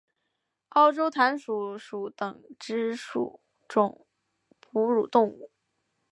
澳洲弹鼠属等之数种哺乳动物。